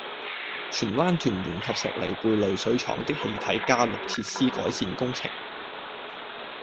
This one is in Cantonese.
荃灣、屯門及石梨貝濾水廠的氣體加氯設施改善工程